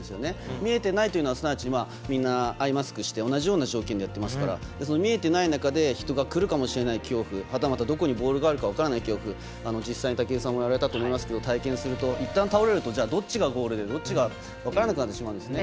見えてないというのはすなわち、みんなアイマスクして同じような条件でやってますから見えてない中で人が来るかもしれない恐怖ボールがどこにあるか分からない恐怖、実際に武井さんもやられたと思いますけど体験するといったん倒れるとどっちがゴールかって分からなくなってしまうんですね。